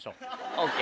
ＯＫ。